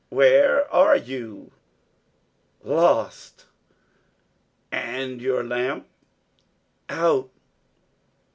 .......... "Where are you?" .......... "Lost!" .......... "And your lamp?" .......... "Out."